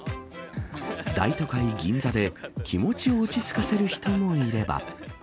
大都会、銀座で気持ちを落ち着かせる人もいれば。